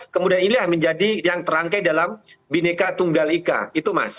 kemudian inilah menjadi yang terangkai dalam bineka tunggal ika itu mas